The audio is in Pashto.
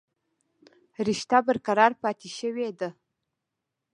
رشته برقرار پاتې شوې ده